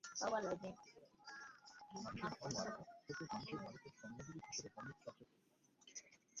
মানুষের ধর্ম আছে, প্রত্যেক মানুষই ভারতের সমনাগরিক হিসেবে ধর্মের চর্চা করতে পারে।